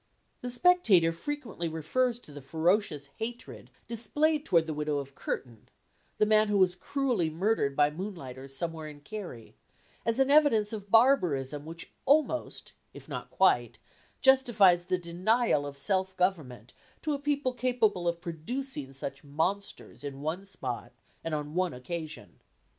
The Spectator frequently refers to the ferocious hatred displayed toward the widow of Curtin, the man who was cruelly murdered by moonlighters somewhere in Kerry, as an evidence of barbarism which almost, if not quite, justifies the denial of self government to a people capable of producing such monsters in one spot and on one occasion.